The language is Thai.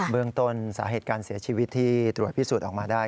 เมืองต้นสาเหตุการเสียชีวิตที่ตรวจพิสูจน์ออกมาได้